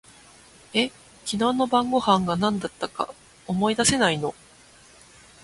え、昨日の晩御飯が何だったか思い出せないの？